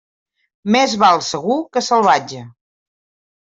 Més val segur que salvatge.